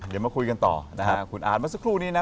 เดี๋ยวมาคุยกันต่อนะฮะคุณอาร์ตเมื่อสักครู่นี้นะ